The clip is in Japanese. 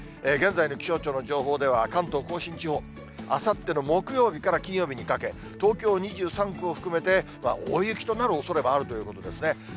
現在の気象庁の情報では、関東甲信地方、あさっての木曜日から金曜日にかけ、東京２３区を含めて、大雪となるおそれもあるということですね。